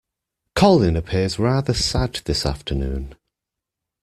Colin appears rather sad this afternoon